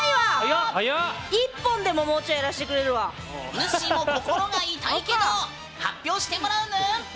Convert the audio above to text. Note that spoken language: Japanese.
ぬっしーも心が痛いけど発表してもらうぬん。